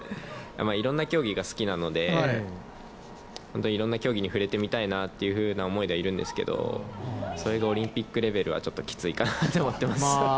いろんな競技が好きなのでいろんな競技に触れてみたいなという思いでいるんですけどそれでオリンピックレベルはちょっときついかなと思います。